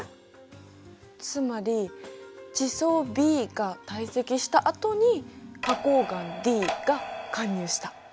つまり地層Ｂが堆積したあとに花こう岩Ｄが貫入した。